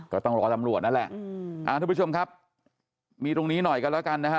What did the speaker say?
ก็ต้องรอตำรวจนั่นแหละทุกผู้ชมครับมีตรงนี้หน่อยกันแล้วกันนะฮะ